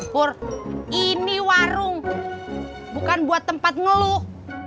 kur ini warung bukan buat tempat ngeluh